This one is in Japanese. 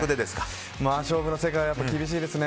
勝負の世界はやっぱり厳しいですね。